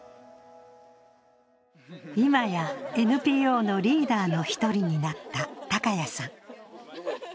今やＮＰＯのリーダーの１人になった高谷さん。